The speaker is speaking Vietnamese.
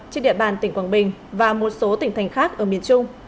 trên địa bàn tỉnh quảng bình và một số tỉnh thành khác ở miền trung